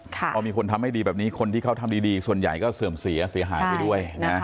พอมีคนทำให้ดีแบบนี้คนที่เขาทำดีส่วนใหญ่ก็เสื่อมเสียเสียหายไปด้วยนะ